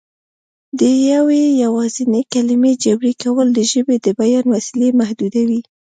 د یوې یوازینۍ کلمې جبري کول د ژبې د بیان وسیلې محدودوي